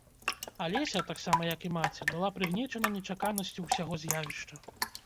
Алеся, таксама як і маці, была прыгнечана нечаканасцю ўсяго з'явішча.